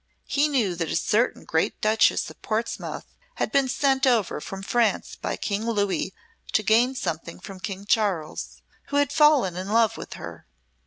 He knew that a certain great Duchess of Portsmouth had been sent over from France by King Louis to gain something from King Charles, who had fallen in love with her.